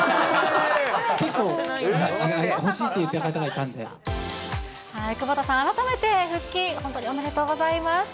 結構、欲しいって言ってる方がい窪田さん、改めて復帰、本当におめでとうございます。